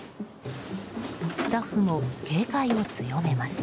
スタッフも警戒を強めます。